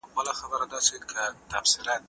زه به اوږده موده چايي څښلي!.